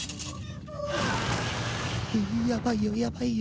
やばいよやばいよ。